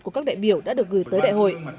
của các đại biểu đã được gửi tới đại hội